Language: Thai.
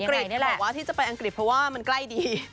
เกรดบอกว่าที่จะไปอังกฤษเพราะว่ามันใกล้ดี